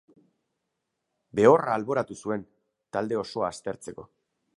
Behorra alboratu zuen, talde osoa aztertzeko.